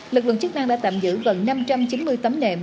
lực lượng chức năng đã tạm giữ gần năm trăm chín mươi tấm nệm